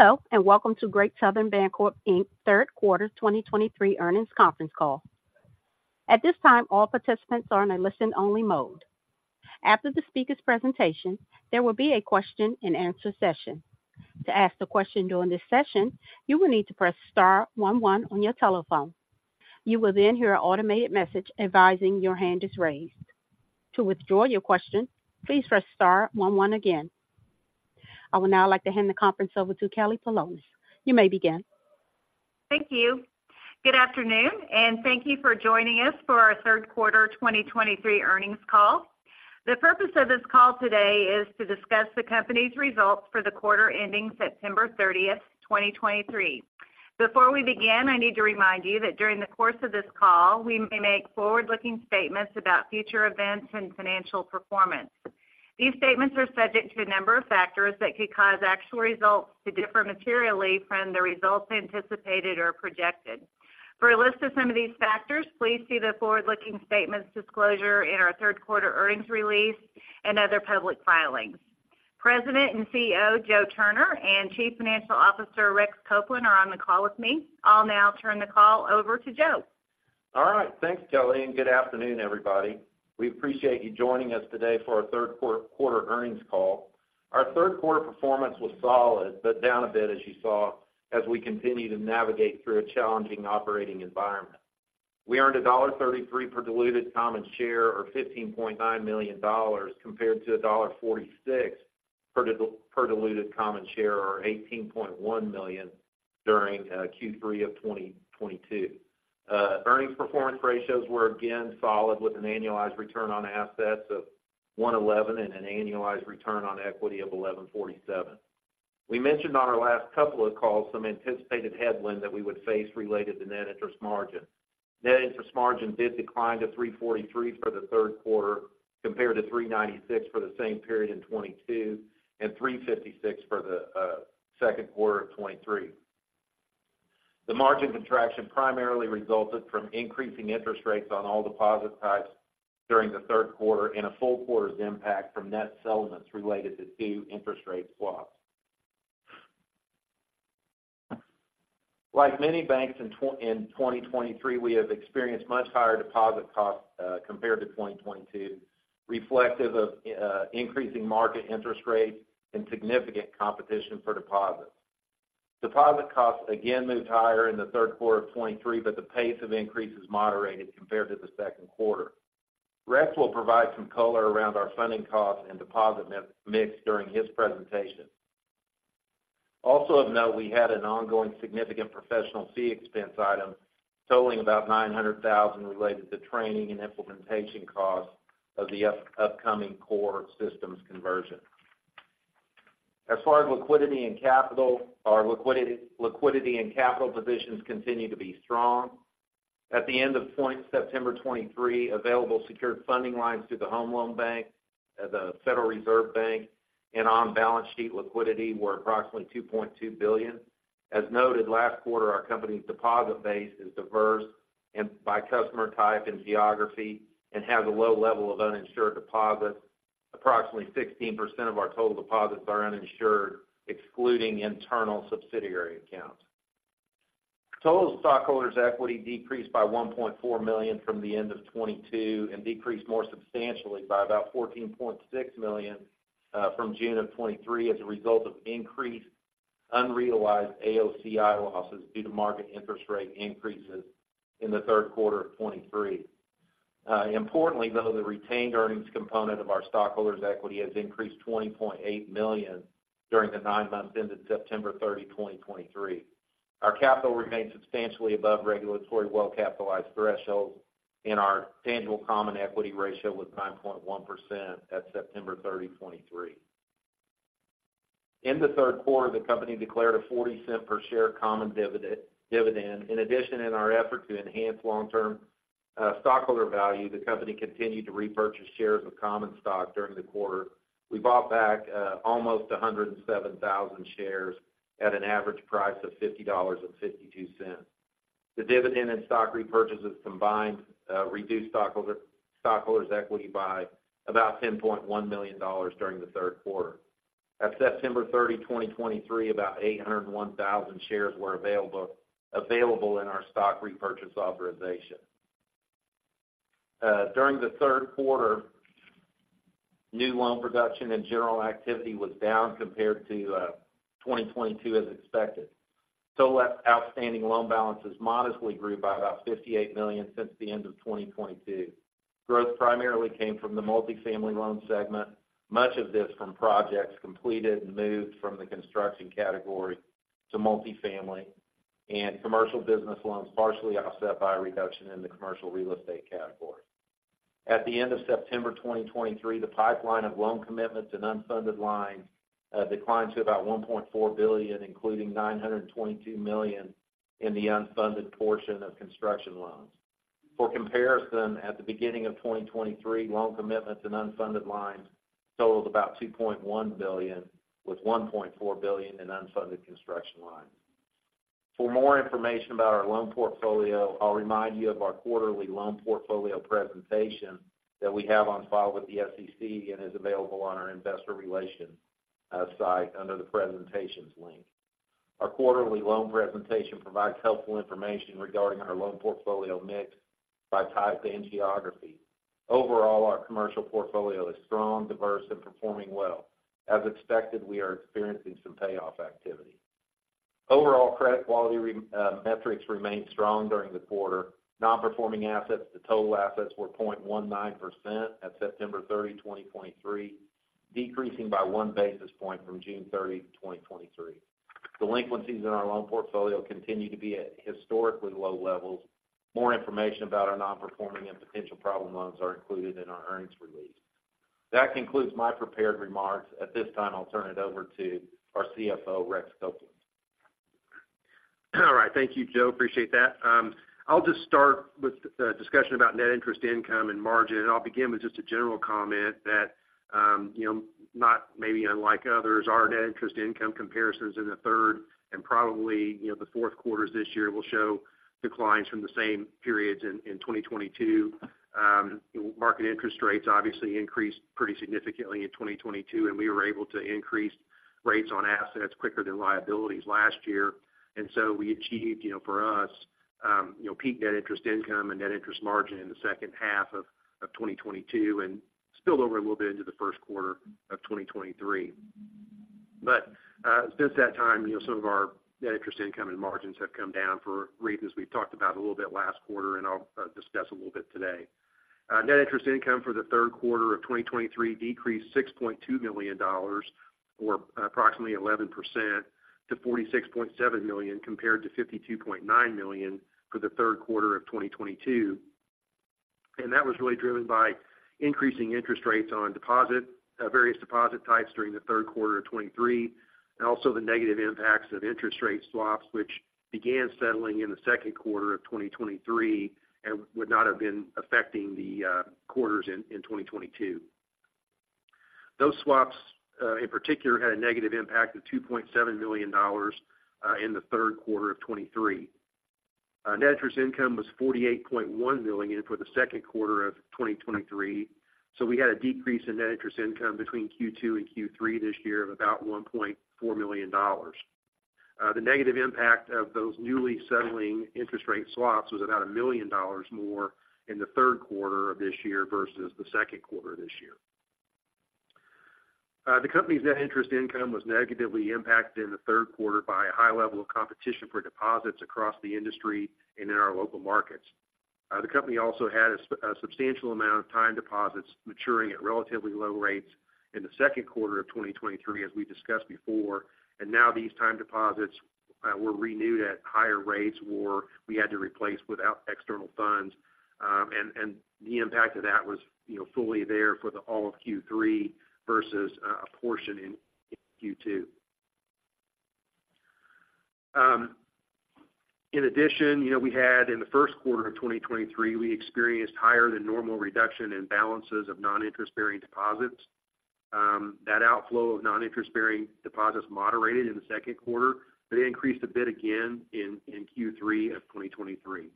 Hello, and welcome to Great Southern Bancorp Inc. third quarter 2023 earnings conference call. At this time, all participants are in a listen-only mode. After the speaker's presentation, there will be a question-and-answer session. To ask a question during this session, you will need to press star one one on your telephone. You will then hear an automated message advising your hand is raised. To withdraw your question, please press star one one again. I would now like to hand the conference over to Kelly Polonus. You may begin. Thank you. Good afternoon, and thank you for joining us for our third quarter 2023 earnings call. The purpose of this call today is to discuss the company's results for the quarter ending September 30th, 2023. Before we begin, I need to remind you that during the course of this call, we may make forward-looking statements about future events and financial performance. These statements are subject to a number of factors that could cause actual results to differ materially from the results anticipated or projected. For a list of some of these factors, please see the forward-looking statements disclosure in our third quarter earnings release and other public filings. President and CEO, Joe Turner, and Chief Financial Officer, Rex Copeland, are on the call with me. I'll now turn the call over to Joe. All right, thanks, Kelly, and good afternoon, everybody. We appreciate you joining us today for our third quarter earnings call. Our third quarter performance was solid, but down a bit, as you saw, as we continue to navigate through a challenging operating environment. We earned $1.33 per diluted common share, or $15.9 million, compared to $1.46 per diluted common share, or $18.1 million during Q3 of 2022. Earnings performance ratios were again solid, with an annualized return on assets of 1.11 and an annualized return on equity of 11.47. We mentioned on our last couple of calls some anticipated headwind that we would face related to net interest margin. Net interest margin did decline to 3.43 for the third quarter, compared to 3.96 for the same period in 2022, and 3.56 for the second quarter of 2023. The margin contraction primarily resulted from increasing interest rates on all deposit types during the third quarter and a full quarter's impact from net settlements related to two Interest rate swaps. Like many banks in 2023, we have experienced much higher deposit costs compared to 2022, reflective of increasing market interest rates and significant competition for deposits. Deposit costs again moved higher in the third quarter of 2023, but the pace of increase is moderated compared to the second quarter. Rex will provide some color around our funding costs and deposit mix during his presentation. Also of note, we had an ongoing significant professional fee expense item totaling about $900 thousand related to training and implementation costs of the upcoming core systems conversion. As far as liquidity and capital, our liquidity and capital positions continue to be strong. At the end of September 2023, available secured funding lines through the Home Loan Bank, the Federal Reserve Bank, and on-balance sheet liquidity were approximately $2.2 billion. As noted last quarter, our company's deposit base is diverse and by customer type and geography, and has a low level of uninsured deposits. Approximately 16% of our total deposits are uninsured, excluding internal subsidiary accounts. Total stockholders' equity decreased by $1.4 million from the end of 2022, and decreased more substantially by about $14.6 million from June of 2023, as a result of increased unrealized AOCI losses due to market interest rate increases in the third quarter of 2023. Importantly, though, the retained earnings component of our stockholders' equity has increased $20.8 million during the nine months ended September 30, 2023. Our capital remains substantially above regulatory well-capitalized thresholds, and our tangible common equity ratio was 9.1% at September 30, 2023. In the third quarter, the company declared a $0.40 per share common dividend. In addition, in our effort to enhance long-term stockholder value, the company continued to repurchase shares of common stock during the quarter. We bought back almost 107,000 shares at an average price of $50.52. The dividend and stock repurchases combined reduced stockholders' equity by about $10.1 million during the third quarter. At September 30, 2023, about 801,000 shares were available in our stock repurchase authorization. During the third quarter, new loan production and general activity was down compared to 2022, as expected. Net outstanding loan balances modestly grew by about $58 million since the end of 2022. Growth primarily came from the multifamily loan segment, much of this from projects completed and moved from the construction category to multifamily and commercial business loans, partially offset by a reduction in the commercial real estate category. At the end of September 2023, the pipeline of loan commitments and unfunded lines declined to about $1.4 billion, including $922 million in the unfunded portion of construction loans. For comparison, at the beginning of 2023, loan commitments and unfunded lines totaled about $2.1 billion, with $1.4 billion in unfunded construction lines. For more information about our loan portfolio, I'll remind you of our quarterly loan portfolio presentation that we have on file with the SEC and is available on our investor relations site under the Presentations link. Our quarterly loan presentation provides helpful information regarding our loan portfolio mix by type and geography. Overall, our commercial portfolio is strong, diverse, and performing well. As expected, we are experiencing some payoff activity. Overall, credit quality metrics remained strong during the quarter. Non-performing assets to total assets were 0.19% at September 30, 2023, decreasing by one basis point from June 30, 2023. Delinquencies in our loan portfolio continue to be at historically low levels. More information about our non-performing and potential problem loans are included in our earnings release. That concludes my prepared remarks. At this time, I'll turn it over to our CFO, Rex Copeland. All right. Thank you, Joe. Appreciate that. I'll just start with the discussion about net interest income and margin, and I'll begin with just a general comment that, you know, not maybe unlike others, our net interest income comparisons in the third and probably, you know, the fourth quarters this year will show declines from the same periods in 2022. Market interest rates obviously increased pretty significantly in 2022, and we were able to increase rates on assets quicker than liabilities last year. We achieved, you know, for us, you know, peak net interest income and net interest margin in the second half of 2022, and spilled over a little bit into the first quarter of 2023. Since that time, you know, some of our net interest income and margins have come down for reasons we've talked about a little bit last quarter, and I'll discuss a little bit today. Net interest income for the third quarter of 2023 decreased $6.2 million, or approximately 11% to $46.7 million, compared to $52.9 million for the third quarter of 2022. That was really driven by increasing interest rates on deposit, various deposit types during the third quarter of 2023, and also the negative impacts of interest rate swaps, which began settling in the second quarter of 2023 and would not have been affecting the quarters in 2022. Those swaps, in particular, had a negative impact of $2.7 million in the third quarter of 2023. Net interest income was $48.1 million for the second quarter of 2023, so we had a decrease in net interest income between Q2 and Q3 this year of about $1.4 million. The negative impact of those newly settling interest rate swaps was about $1 million more in the third quarter of this year versus the second quarter this year. The Company's net interest income was negatively impacted in the third quarter by a high level of competition for deposits across the industry and in our local markets. The Company also had a substantial amount of time deposits maturing at relatively low rates in the second quarter of 2023, as we discussed before, and now these time deposits were renewed at higher rates, or we had to replace without external funds. The impact of that was, you know, fully there for the all of Q3 versus a portion in Q2. In addition, you know, we had in the first quarter of 2023, we experienced higher than normal reduction in balances of non-interest-bearing deposits. That outflow of non-interest-bearing deposits moderated in the second quarter, but it increased a bit again in Q3 of 2023.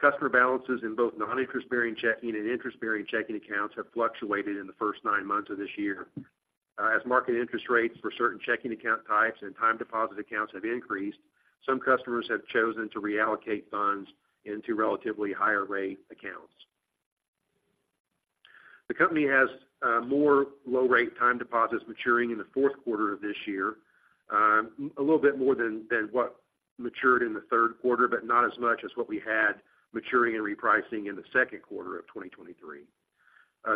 Customer balances in both non-interest-bearing checking and interest-bearing checking accounts have fluctuated in the first nine months of this year. As market interest rates for certain checking account types and time deposit accounts have increased, some customers have chosen to reallocate funds into relatively higher rate accounts. The company has more low-rate time deposits maturing in the fourth quarter of this year, a little bit more than what matured in the third quarter, but not as much as what we had maturing and repricing in the second quarter of 2023.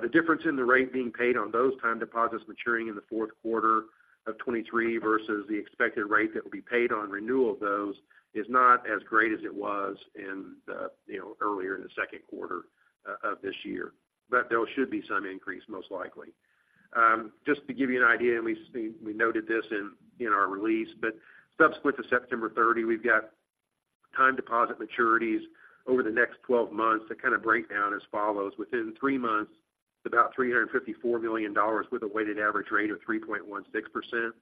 The difference in the rate being paid on those time deposits maturing in the fourth quarter of 2023 versus the expected rate that will be paid on renewal of those is not as great as it was, you know, earlier in the second quarter of this year, but there should be some increase, most likely. Just to give you an idea, we noted this in our release, but subsequent to September 30, we've got time deposit maturities over the next 12 months to kind of break down as follows: within three months, about $354 million, with a weighted average rate of 3.16%.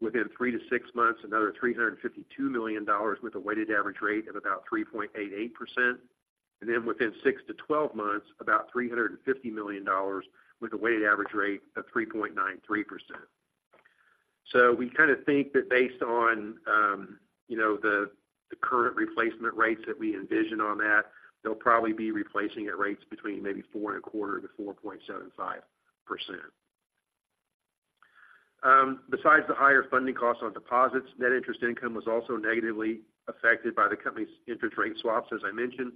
Within three-six months, another $352 million, with a weighted average rate of about 3.88%. Within 6-12 months, about $350 million, with a weighted average rate of 3.93%. We kind of think that based on, you know, the current replacement rates that we envision on that, they'll probably be replacing at rates between maybe 4.25%-4.75%. Besides the higher funding costs on deposits, net interest income was also negatively affected by the company's interest rate swaps, as I mentioned,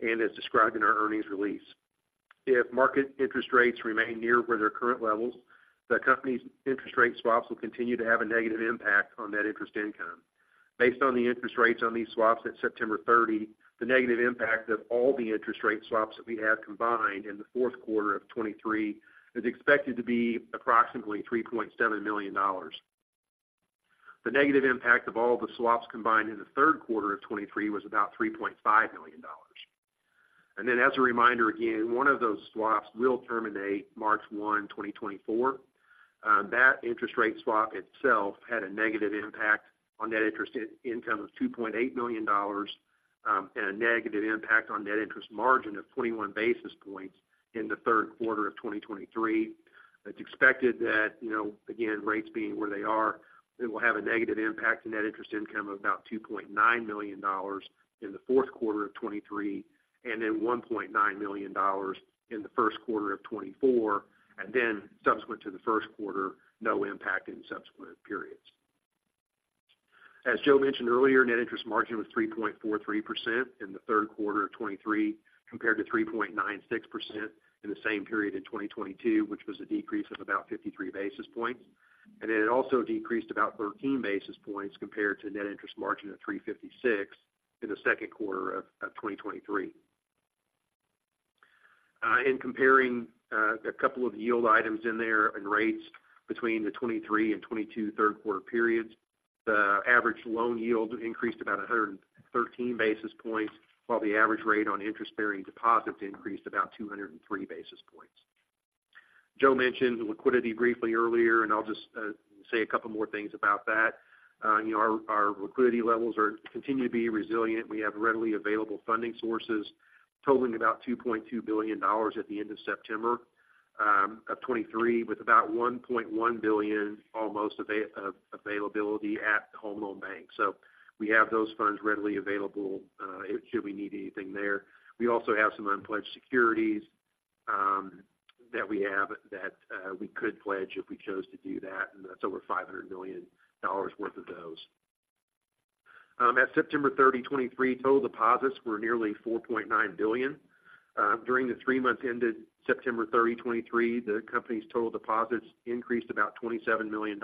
and as described in our earnings release. If market interest rates remain near where their current levels, the company's interest rate swaps will continue to have a negative impact on net interest income. Based on the interest rates on these swaps at September 30, the negative impact of all the interest rate swaps that we have combined in the fourth quarter of 2023 is expected to be approximately $3.7 million. The negative impact of all the swaps combined in the third quarter of 2023 was about $3.5 million. As a reminder, again, one of those swaps will terminate March 1, 2024. That interest rate swap itself had a negative impact on net interest income of $2.8 million and a negative impact on net interest margin of 21 basis points in the third quarter of 2023. It's expected that, you know, again, rates being where they are, it will have a negative impact to net interest income of about $2.9 million in the fourth quarter of 2023, and then $1.9 million in the first quarter of 2024, and then subsequent to the first quarter, no impact in subsequent periods. As Joe mentioned earlier, net interest margin was 3.43% in the third quarter of 2023, compared to 3.96% in the same period in 2022, which was a decrease of about 53 basis points. It also decreased about 13 basis points compared to net interest margin of 3.56 in the second quarter of 2023. In comparing a couple of yield items in there and rates between the 2023 and 2022 third quarter periods, the average loan yield increased about 113 basis points, while the average rate on interest-bearing deposits increased about 203 basis points. Joe mentioned liquidity briefly earlier, and I'll just say a couple more things about that. You know, our liquidity levels continue to be resilient. We have readily available funding sources totaling about $2.2 billion at the end of September of 2023, with about $1.1 billion almost availability at Home Loan Bank. We have those funds readily available if should we need anything there. We also have some unpledged securities that we have that we could pledge if we chose to do that, and that's over $500 million worth of those. At September 30, 2023, total deposits were nearly $4.9 billion. During the three months ended September 30, 2023, the company's total deposits increased about $27 million.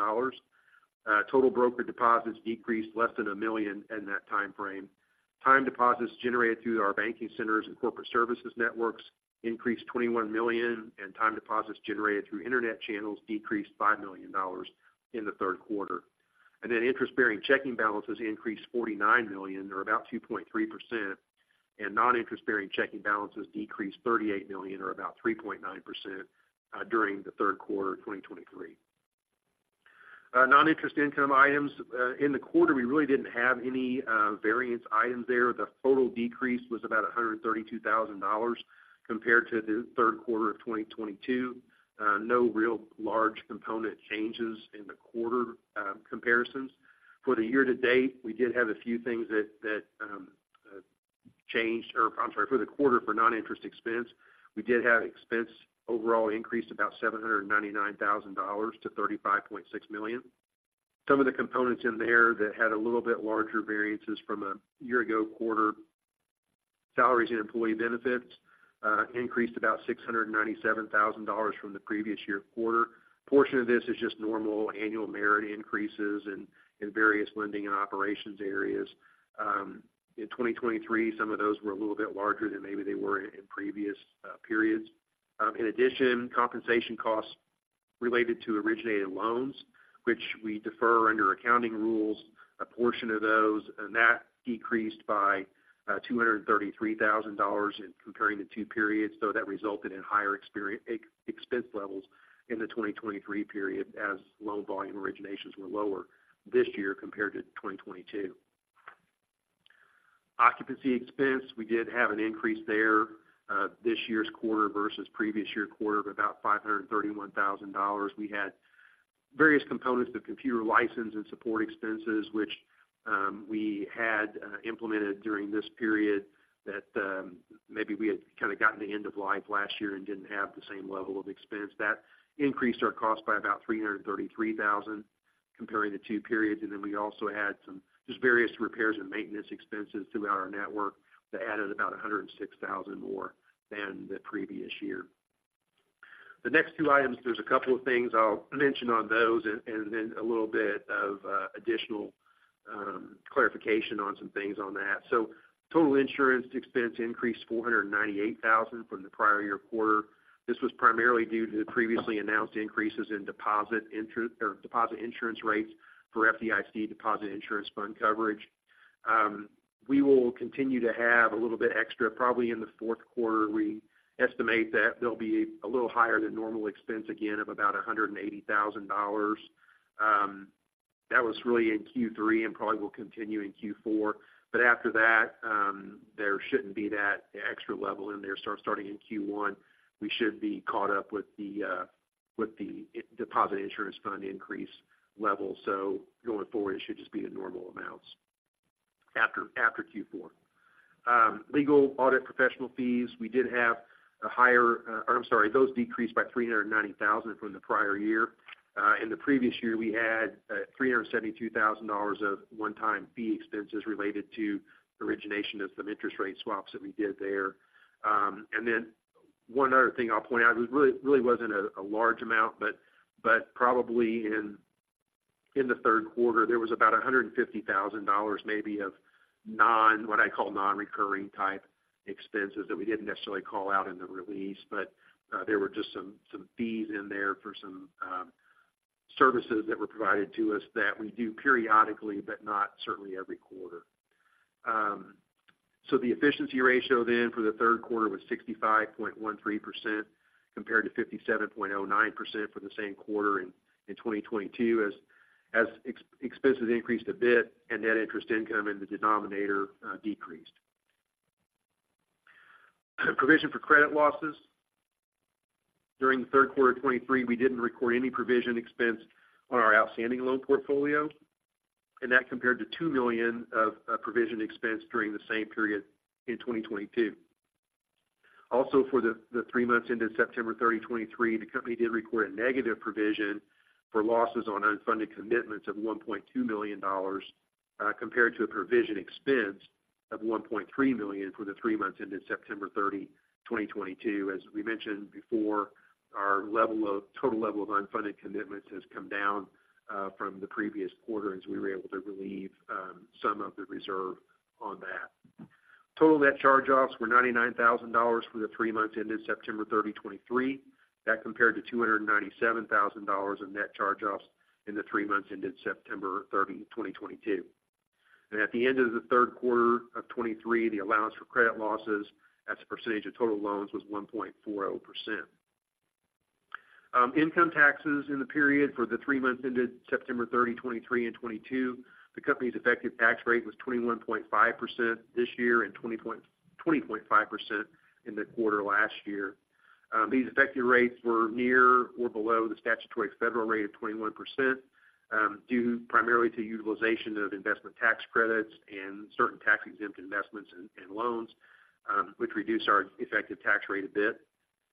Total broker deposits decreased less than $1 million in that time frame. Time deposits generated through our banking centers and corporate services networks increased $21 million, and time deposits generated through internet channels decreased $5 million in the third quarter. Interest-bearing checking balances increased $49 million, or about 2.3%, and non-interest-bearing checking balances decreased $38 million, or about 3.9%, during the third quarter of 2023. Non-interest income items. In the quarter, we really didn't have any variance items there. The total decrease was about $132,000 compared to the third quarter of 2022. No real large component changes in the quarter comparisons. For the year-to-date, we did have a few things that changed, or I'm sorry, for the quarter for non-interest expense, we did have expense overall increased about $799,000 to $35.6 million. Some of the components in there that had a little bit larger variances from a year-ago quarter, salaries and employee benefits increased about $697,000 from the previous year quarter. Portion of this is just normal annual merit increases in various lending and operations areas. In 2023, some of those were a little bit larger than maybe they were in previous periods. In addition, compensation costs related to originated loans, which we defer under accounting rules, a portion of those, and that decreased by $233,000 in comparing the two periods, so that resulted in higher expense levels in the 2023 period, as loan volume originations were lower this year compared to 2022. Occupancy expense, we did have an increase there, this year's quarter versus previous year quarter of about $531,000. We had various components of computer license and support expenses, which we had implemented during this period that maybe we had kind of gotten to end of life last year and didn't have the same level of expense. That increased our cost by about $333,000 comparing the two periods. We also had some just various repairs and maintenance expenses throughout our network that added about $106,000 more than the previous year. The next two items, there's a couple of things I'll mention on those and then a little bit of additional clarification on some things on that. Total insurance expense increased $498,000 from the prior year quarter. This was primarily due to the previously announced increases in deposit insurance rates for FDIC Deposit Insurance Fund coverage. We will continue to have a little bit extra, probably in the fourth quarter. We estimate that there'll be a little higher than normal expense again of about $180,000. That was really in Q3 and probably will continue in Q4. After that, there shouldn't be that extra level in there. Starting in Q1, we should be caught up with the Deposit Insurance Fund increase level. Going forward, it should just be the normal amounts after Q4. Legal, audit, professional fees, we did have a higher, I'm sorry, those decreased by $390,000 from the prior year. In the previous year, we had $372,000 of one-time fee expenses related to origination of some Interest Rate Swaps that we did there. One other thing I'll point out, it really wasn't a large amount, but probably in the third quarter, there was about $150,000 maybe of what I call non-recurring type expenses that we didn't necessarily call out in the release. There were just some fees in there for some services that were provided to us that we do periodically, but not certainly every quarter. The efficiency ratio then for the third quarter was 65.13%, compared to 57.09% for the same quarter in 2022, as expenses increased a bit, and net Interest Income in the denominator decreased. Provision for Credit Losses. During the third quarter of 2023, we didn't record any provision expense on our outstanding loan portfolio, and that compared to $2 million of provision expense during the same period in 2022. Also, for the three months ended September 30, 2023, the company did record a negative provision for losses on unfunded commitments of $1.2 million compared to a provision expense of $1.3 million for the three months ended September 30, 2022. As we mentioned before, our total level of unfunded commitments has come down from the previous quarter, as we were able to relieve some of the reserve on that. Total net charge-offs were $99,000 for the three months ended September 30, 2023. That compared to $297,000 in net charge-offs in the three months ended September 30, 2022. At the end of the third quarter of 2023, the allowance for credit losses, as a percentage of total loans, was 1.40%. Income taxes in the period for the three months ended September 30, 2023 and 2022, the company's effective tax rate was 21.5% this year and 20.5% in the quarter last year. These effective rates were near or below the statutory federal rate of 21%, due primarily to utilization of investment tax credits and certain tax-exempt investments and loans, which reduced our effective tax rate a bit.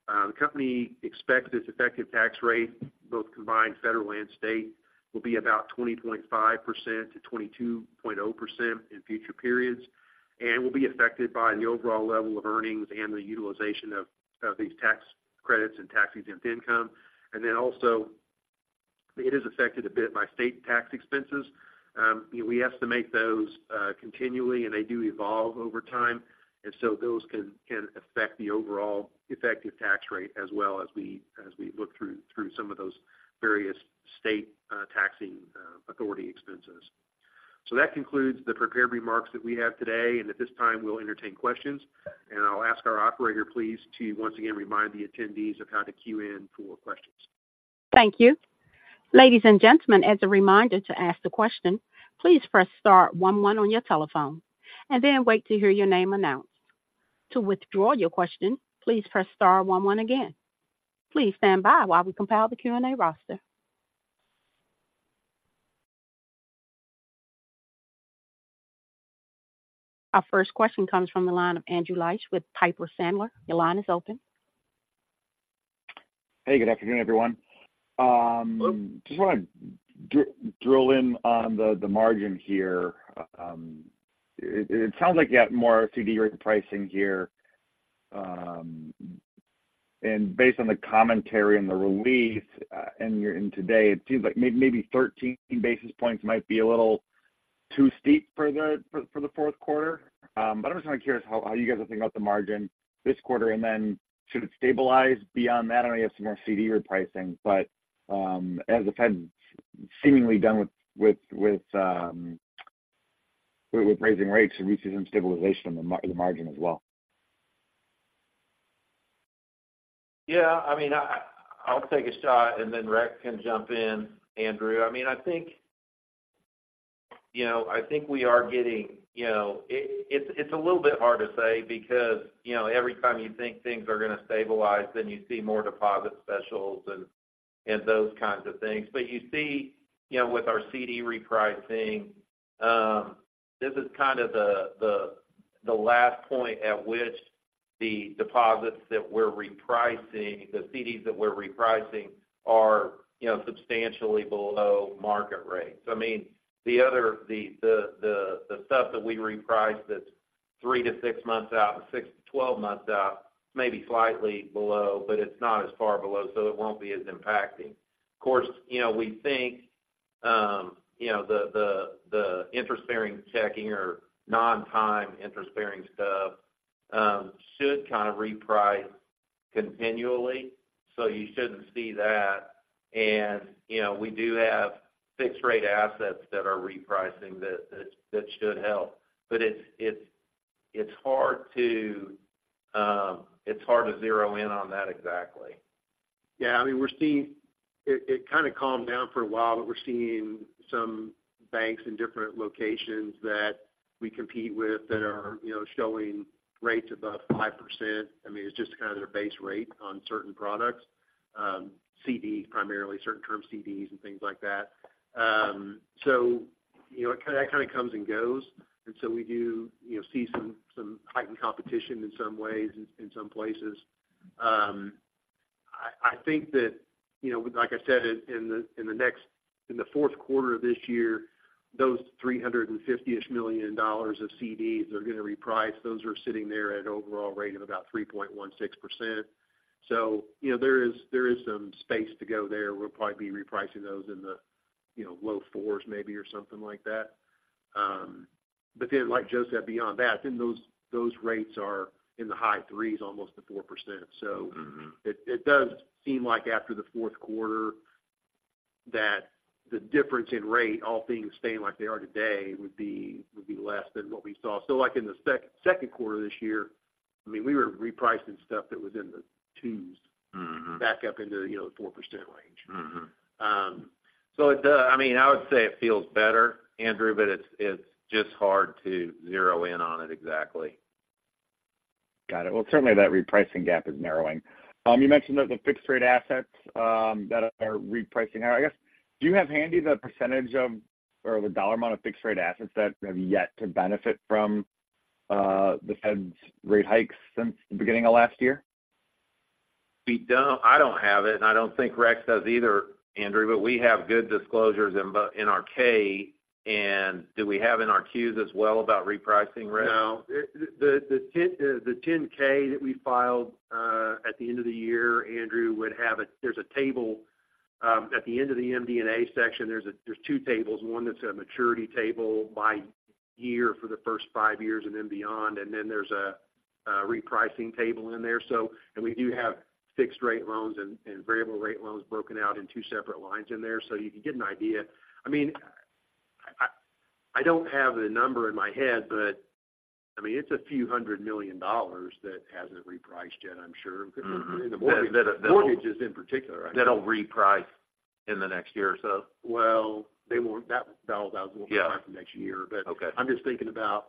The company expects this effective tax rate, both combined federal and state, will be about 20.5%-22.0% in future periods and will be affected by the overall level of earnings and the utilization of these tax credits and tax-exempt income. Also, it is affected a bit by state tax expenses. We estimate those continually, and they do evolve over time, and so those can affect the overall effective tax rate as well as we look through some of those various state taxing authority expenses. That concludes the prepared remarks that we have today, and at this time, we'll entertain questions. I'll ask our operator, please, to once again remind the attendees of how to queue in for questions. *Wait, "Thank you."* Yes. *Wait, "Your line is open."* Yes. *Wait, "star one one".* Yes. *Wait, "star one one".* Yes. *Wait, "Andrew Liesch".* Yes. *Wait, Hey, good afternoon, everyone. Just want to drill in on the margin here. It sounds like you got more CD rate pricing here, and based on the commentary and the release and you're in today, it seems like maybe 13 basis points might be a little too steep for the fourth quarter. I'm just curious how you guys are thinking about the margin this quarter, and then should it stabilize beyond that? I know you have some more CD repricing, but as the Fed seemingly done with raising rates and reaches some stabilization on the margin as well. Yeah, I mean, I'll take a shot and then Rex can jump in, Andrew. I mean, I think, you know, I think we are getting, you know, it's a little bit hard to say because, you know, every time you think things are going to stabilize, then you see more deposit specials and those kinds of things. You see, you know, with our CD repricing, this is kind of the last point at which the deposits that we're repricing, the CDs that we're repricing are, you know, substantially below market rates. I mean, the other stuff that we reprice that's three-six months out and six-12 months out may be slightly below, but it's not as far below, so it won't be as impacting. Of course, you know, we think, you know, the interest-bearing checking or non-time interest-bearing stuff should kind of reprice continually, so you shouldn't see that. You know, we do have fixed-rate assets that are repricing that should help. But it's hard to zero in on that exactly. Yeah, I mean, we're seeing it kind of calmed down for a while, but we're seeing some banks in different locations that we compete with that are, you know, showing rates above 5%. I mean, it's just kind of their base rate on certain products, CDs, primarily, certain term CDs and things like that. You know, it kind of comes and goes, and so we do, you know, see some heightened competition in some ways, in some places. I think that, you know, like I said, in the fourth quarter of this year, those $350-ish million of CDs are going to reprice. Those are sitting there at an overall rate of about 3.16%. You know, there is some space to go there. We'll probably be repricing those in the, you know, low 4s maybe, or something like that. But then, like Joe said, beyond that, then those rates are in the high 3s, almost to 4%. So. Mm-hmm. It does seem like after the fourth quarter, that the difference in rate, all things staying like they are today, would be less than what we saw. Like in the second quarter this year, I mean, we were repricing stuff that was in the 2s. Mm-hmm Back up into, you know, the 4% range. Mm-hmm. "it does" a false start? * If I say "It does. I mean, I would say it feels better", it's two thoughts. * If I say "It does Got it. Well, certainly that repricing gap is narrowing. You mentioned that the fixed-rate assets that are repricing now. I guess, do you have handy the percentage of, or the dollar amount of fixed-rate assets that have yet to benefit from the Fed's rate hikes since the beginning of last year? We don't. I don't have it, and I don't think Rex does either, Andrew, but we have good disclosures in our K. Do we have in our Qs as well about repricing, Rex? No. The 10-K that we filed at the end of the year, Andrew, there's a table at the end of the MD&A section. There's two tables, one that's a maturity table by year for the first five years and then beyond, and then there's a repricing table in there. We do have fixed-rate loans and variable-rate loans broken out in two separate lines in there. So you can get an idea. I mean, I don't have the number in my head, but, I mean, it's $few hundred million that hasn't repriced yet, I'm sure. Mm-hmm. The mortgages, in particular. That'll reprice in the next year or so. Well, they won't. That won't reprice for next year. Okay. I'm just thinking about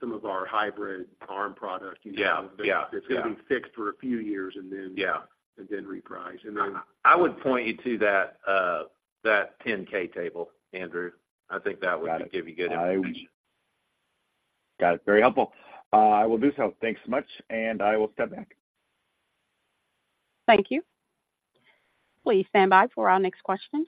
some of our hybrid ARM products. Yeah, yeah. It's going to be fixed for a few years and then. Yeah Then reprice. Then- I would point you to that 10-K table, Andrew. I think that would give you good information. Got it. Very helpful. I will do so. Thanks so much, and I will step back. Thank you. Please stand by for our next question.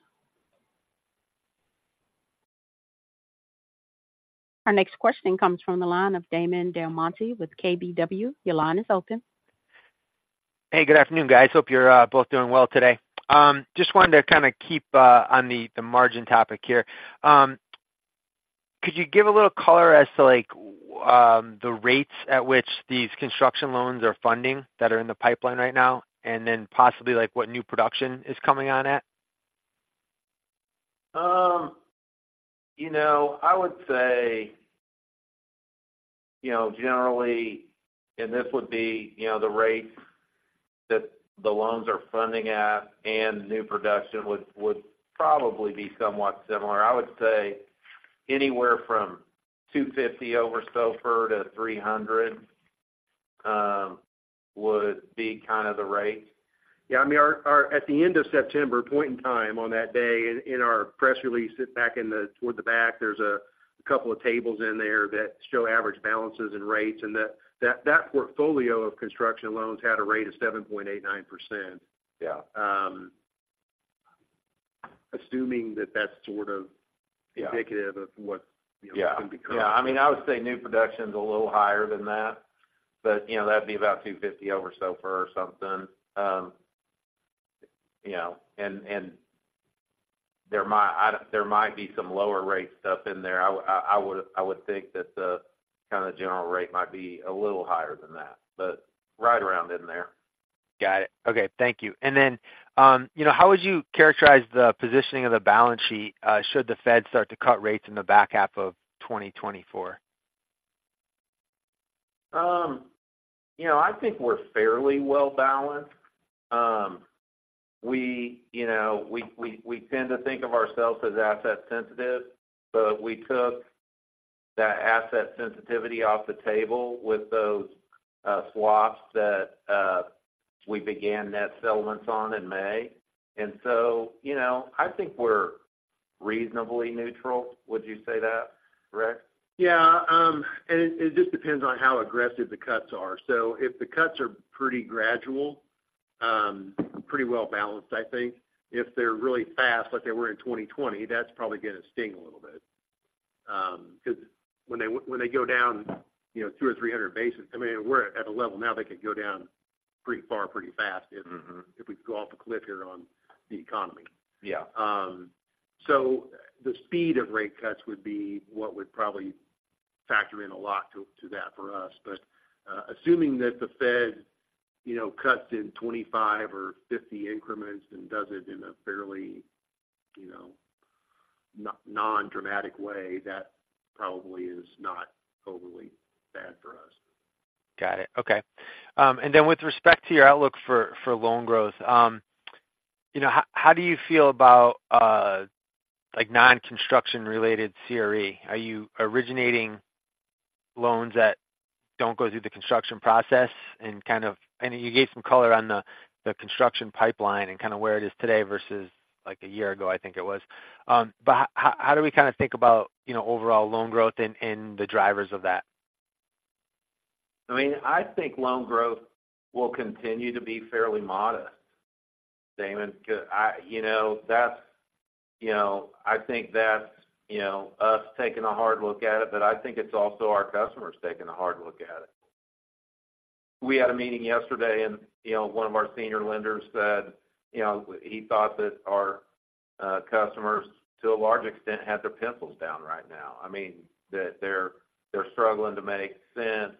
Our next question comes from the line of Damon Del Monte with KBW. Your line is open. Hey, good afternoon, guys. Hope you're both doing well today. Just wanted to kind of keep on the margin topic here. Could you give a little color as to, like, the rates at which these construction loans are funding that are in the pipeline right now, and then possibly, like, what new production is coming on at? You know, I would say, you know, generally, and this would be, you know, the rates that the loans are funding at, and new production would probably be somewhat similar. I would say anywhere from 250 over SOFR to 300 would be kind of the rate. Yeah, I mean, at the end of September, point in time on that day in our press release, toward the back, there's a couple of tables in there that show average balances and rates, and that portfolio of construction loans had a rate of 7.89%. Yeah. Assuming that that's sort of. Yeah Indicative of what's, you know, going to be coming. Yeah. I mean, I would say new production is a little higher than that, but, you know, that'd be about 250 over SOFR or something. You know, there might be some lower rate stuff in there. I would think that the kind of general rate might be a little higher than that, but right around in there. Got it. Okay, thank you. You know, how would you characterize the positioning of the balance sheet should the Fed start to cut rates in the back half of 2024? You know, I think we're fairly well-balanced. We, you know, we tend to think of ourselves as asset sensitive, but we took that asset sensitivity off the table with those swaps that we began net settlements on in May. So, you know, I think we're reasonably neutral. Would you say that, Rex? Yeah, and it just depends on how aggressive the cuts are. If the cuts are pretty gradual, pretty well-balanced, I think. If they're really fast, like they were in 2020, that's probably going to sting a little bit. Because when they go down, you know, 200 or 300 basis, I mean, we're at a level now, they could go down pretty far, pretty fast. Mm-hmm If we go off a cliff here on the economy. Yeah. The speed of rate cuts would be what would probably factor in a lot to that for us. Assuming that the Fed, you know, cuts in 25 or 50 increments and does it in a fairly, you know, nondramatic way, that probably is not overly bad for us. Got it. Okay. With respect to your outlook for loan growth, you know, how do you feel about like non-construction related CRE? Are you originating loans that don't go through the construction process? You gave some color on the construction pipeline and kind of where it is today versus like a year ago, I think it was. How do we kind of think about, you know, overall loan growth and the drivers of that? I mean, I think loan growth will continue to be fairly modest, Damon, because, you know, that's, you know, I think that's, you know, us taking a hard look at it, but I think it's also our customers taking a hard look at it. We had a meeting yesterday, and, you know, one of our senior lenders said, you know, he thought that our customers, to a large extent, had their pencils down right now. I mean, that they're struggling to make sense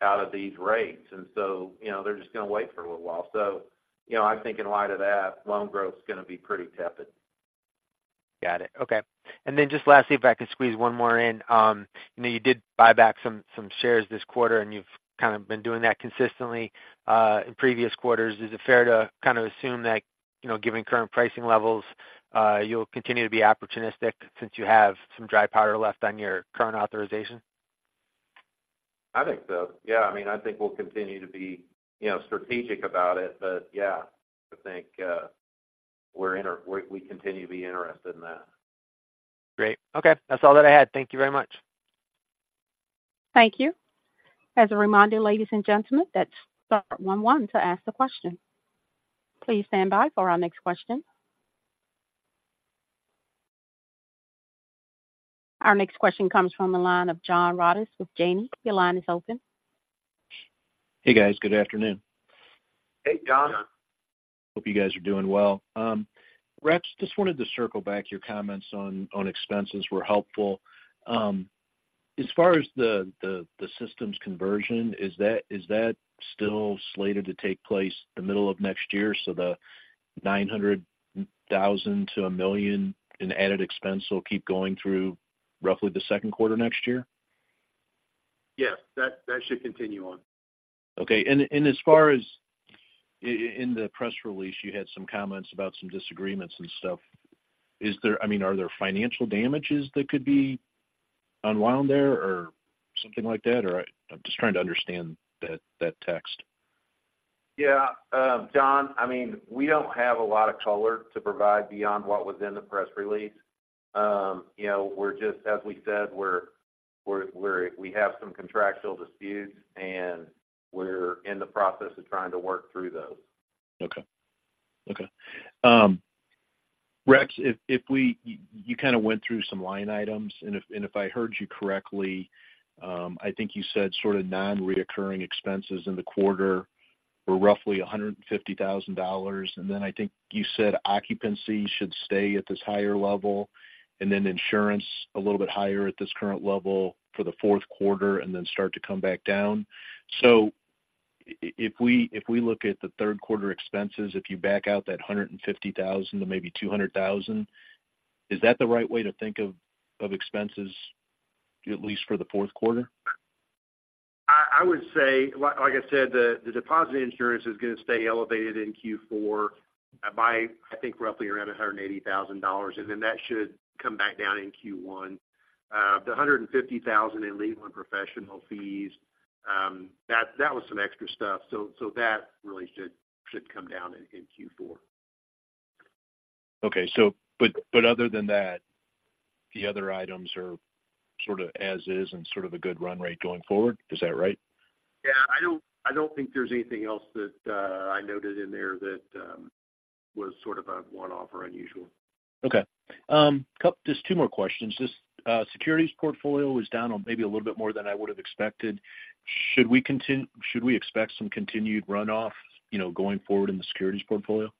out of these rates, and so, you know, they're just going to wait for a little while. You know, I think in light of that, loan growth is going to be pretty tepid. Got it. Okay. Just lastly, if I could squeeze one more in. You know, you did buy back some shares this quarter, and you've kind of been doing that consistently in previous quarters. Is it fair to kind of assume that, you know, given current pricing levels, you'll continue to be opportunistic since you have some dry powder left on your current authorization? I think so. Yeah. I mean, I think we'll continue to be, you know, strategic about it. Yeah, I think we continue to be interested in that. Great. Okay, that's all that I had. Thank you very much. Thank you. As a reminder, ladies and gentlemen, that's star one one to ask the question. Please stand by for our next question. Our next question comes from the line of John Rodis with Janney. Your line is open. Hey, guys. Good afternoon. Hey, John. John. Hope you guys are doing well. Rex, just wanted to circle back. Your comments on expenses were helpful. As far as the systems conversion, is that still slated to take place the middle of next year, so the $900 thousand-$1 million in added expense will keep going through roughly the second quarter next year? Yes, that should continue on. Okay. As far as in the press release, you had some comments about some disagreements and stuff. I mean, are there financial damages that could be unwound there or something like that? I'm just trying to understand that text. Yeah, John, I mean, we don't have a lot of color to provide beyond what was in the press release. You know, as we said, we have some contractual disputes, and we're in the process of trying to work through those. Okay. Okay. Rex, you kind of went through some line items, and if I heard you correctly, I think you said sort of non-recurring expenses in the quarter were roughly $150,000. I think you said occupancy should stay at this higher level, and then insurance a little bit higher at this current level for the fourth quarter and then start to come back down. If we look at the third quarter expenses, if you back out that $150,000 to maybe $200,000, is that the right way to think of expenses, at least for the fourth quarter? I would say, like I said, the deposit insurance is going to stay elevated in Q4 by, I think, roughly around $180,000, and then that should come back down in Q1. The $150,000 in legal and professional fees, that was some extra stuff, so that really should come down in Q4. Okay. Other than that, the other items are sort of as is and sort of a good run rate going forward. Is that right? Yeah, I don't think there's anything else that I noted in there that was sort of a one-off or unusual. Okay. Just two more questions. This securities portfolio was down maybe a little bit more than I would have expected. Should we expect some continued runoff, you know, going forward in the securities portfolio?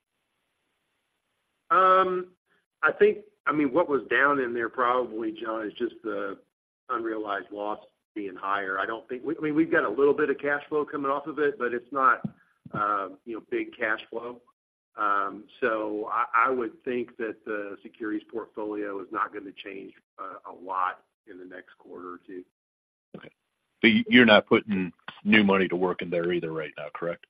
I think, I mean, what was down in there probably, John, is just the unrealized loss being higher. We've got a little bit of cash flow coming off of it, but it's not, you know, big cash flow. I would think that the securities portfolio is not going to change a lot in the next quarter or two. Okay. You're not putting new money to work in there either right now, correct?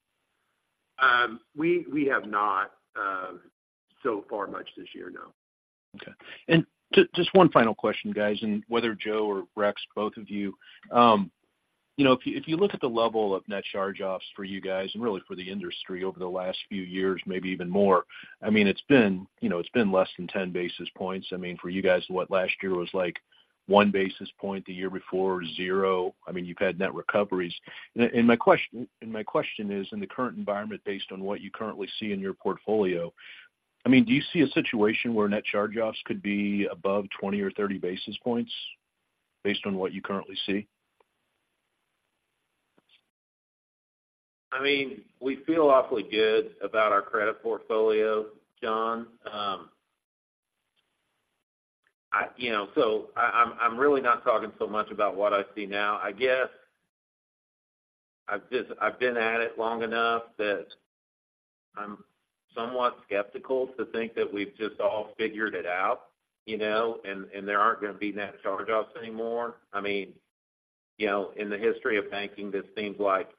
We have not so far much this year, no. Okay. Just one final question, guys, and whether Joe or Rex, both of you. You know, if you look at the level of net charge-offs for you guys and really for the industry over the last few years, maybe even more, I mean, it's been, you know, it's been less than 10 basis points. I mean, for you guys, what, last year was like 1 basis point, the year before, 0. I mean, you've had net recoveries. My question is, in the current environment, based on what you currently see in your portfolio, I mean, do you see a situation where net charge-offs could be above 20 or 30 basis points based on what you currently see? I mean, we feel awfully good about our credit portfolio, John. I'm really not talking so much about what I see now. I guess I've been at it long enough that I'm somewhat skeptical to think that we've just all figured it out, you know, and there aren't going to be net charge-offs anymore. I mean, you know, in the history of banking, this seems like,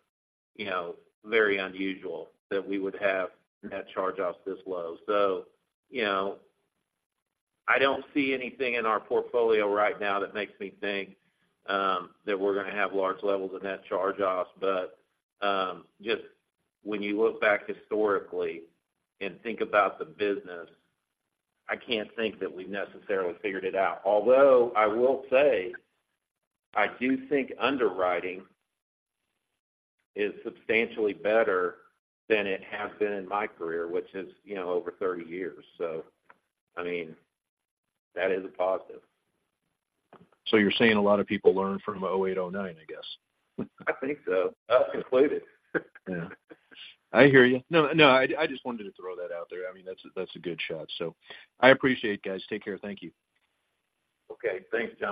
you know, very unusual that we would have net charge-offs this low. You know, I don't see anything in our portfolio right now that makes me think that we're going to have large levels of net charge-offs. Just when you look back historically and think about the business, I can't think that we've necessarily figured it out. Although, I will say, I do think underwriting is substantially better than it has been in my career, which is, you know, over 30 years. I mean, that is a positive. You're saying a lot of people learn from 2008, 2009, I guess? I think so. Well concluded. Yeah. I hear you. No, no, I just wanted to throw that out there. I mean, that's a good shot. I appreciate it, guys. Take care. Thank you. Okay. Thanks, John.